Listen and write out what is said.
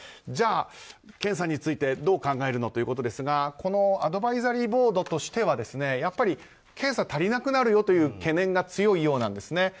じゃあ、検査についてどう考えるのということですがこのアドバイザリーボードとしてはやっぱり、検査が足りなくなるという懸念が強いようなんですね。